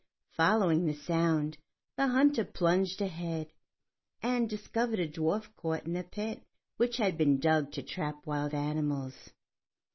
Following the sound, the hunter plunged ahead, and discovered a dwarf caught in a pit which had been dug to trap wild animals.